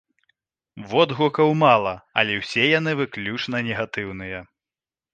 Водгукаў мала, але ўсе яны выключна негатыўныя.